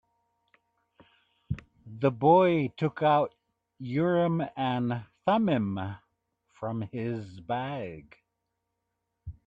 The boy took out Urim and Thummim from his bag.